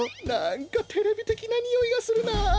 なんかテレビてきなにおいがするな。